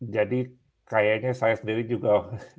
jadi kayaknya saya sendiri juga